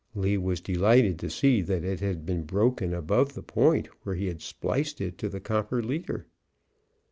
Lee was delighted to see that it had been broken above the point where he had spliced it to the copper leader.